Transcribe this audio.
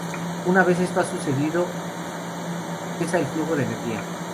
Una vez esto ha sucedido, cesa el flujo de energía.